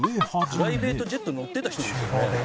「プライベートジェットに乗ってた人ですよね？」